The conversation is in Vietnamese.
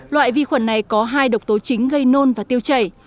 loại vi khuẩn này có hai độc tố chính gây nôn và tiêu chảy